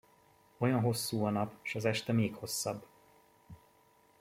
Olyan hosszú a nap, s az este még hosszabb!